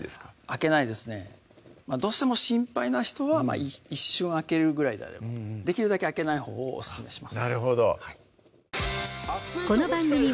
開けないですねどうしても心配な人は一瞬開けるぐらいであればできるだけ開けないほうをオススメします